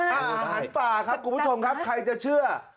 อาหารป่าครับคุณผู้ชมครับใครจะเชื่อ